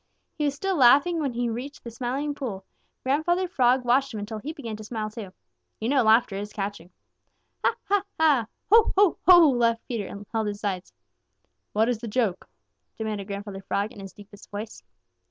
He was still laughing when he reached the Smiling Pool. Grandfather Frog watched him until he began to smile too. You know laughter is catching. "Ha, ha, ha! Ho, ho, ho!" laughed Peter and held his sides. "What is the joke?" demanded Grandfather Frog in his deepest voice.